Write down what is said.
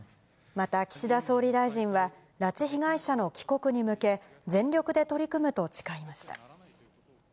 また岸田総理大臣は、拉致被害者の帰国に向け、全力で取り組むと誓いました。